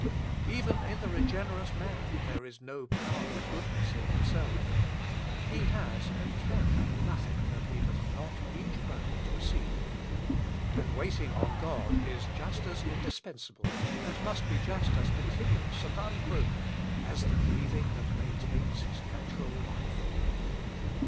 Even in the regenerate man there is no power of goodness in himself: he has and can have nothing that he does not each moment receive; and waiting on God is just as indis pensable, and must be just as continuous and unbroken, as the breathing that maintains his natural life.